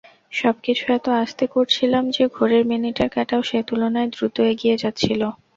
সবকিছু এত আস্তে করছিলাম যে, ঘড়ির মিনিটের কাটাও সে তুলনায় দ্রুত এগিয়ে যাচ্ছিল।